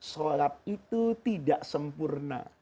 sholat itu tidak sempurna